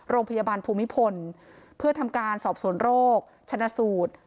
โรงพยาบาลภูมิพลเพื่อทำการสอบสวนโรคชนะสูตร